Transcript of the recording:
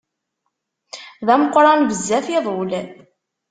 D ameqqran bezzaf iḍul.